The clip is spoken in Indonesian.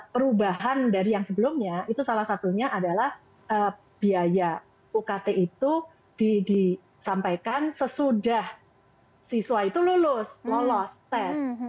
perubahan dari yang sebelumnya itu salah satunya adalah biaya ukt itu disampaikan sesudah siswa itu lulus lolos tes